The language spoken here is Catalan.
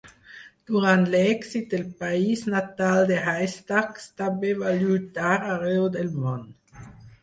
Durant l'èxit del país natal de Haystacks, també va lluitar arreu del món.